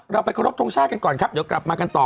เราไปขอรบทรงชาติกันก่อนครับเดี๋ยวกลับมากันต่อ